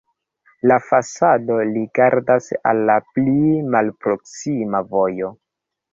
La fasado rigardas al la pli malproksima vojo.